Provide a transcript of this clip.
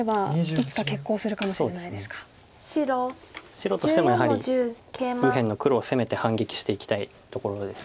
白としてもやはり右辺の黒を攻めて反撃していきたいところです。